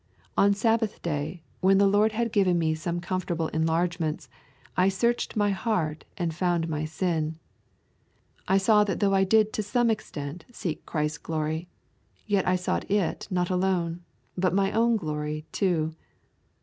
On Sabbath day, when the Lord had given me some comfortable enlargements, I searched my heart and found my sin. I saw that though I did to some extent seek Christ's glory, yet I sought it not alone, but my own glory too.